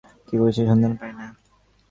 কে করিয়াছে সন্ধান পাই নাই।